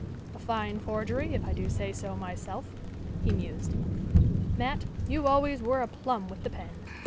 _ "A fine forgery, if I do say so myself," he mused. "Mat, you always were a plum with the pen.